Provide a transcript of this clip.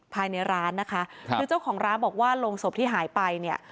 ภายในร้านนะคะครับคือเจ้าของร้านบอกว่าโรงศพที่หายไปเนี่ย